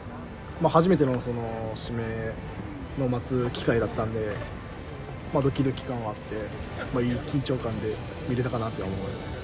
初めての指名を待つ機会だったのでドキドキ感はあって、いい緊張感でいれたかなと思います。